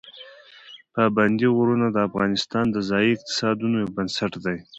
پابندي غرونه د افغانستان د ځایي اقتصادونو یو بنسټ دی.